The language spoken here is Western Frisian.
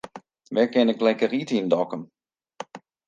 Wêr kin ik lekker ite yn Dokkum?